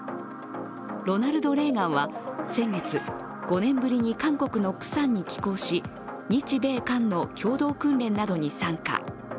「ロナルド・レーガン」は先月５年ぶりに韓国のプサンに寄港し日米韓の共同訓練などに参加。